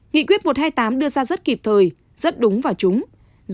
nghị quyết một trăm hai mươi tám đưa ra rất kịp thời rất đúng và trúng